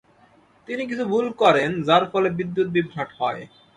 তিনি কিছু ভুল করেন যার ফলে বিদ্যুৎ বিভ্রাট হয়।